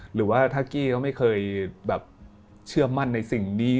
หรือว่าถ้ากี้เขาไม่เคยแบบเชื่อมั่นในสิ่งนี้